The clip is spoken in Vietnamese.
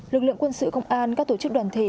lực lượng quân sự công an các tổ chức đoàn thể